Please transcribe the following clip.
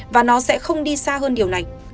và nó sẽ không đi xa hơn điều này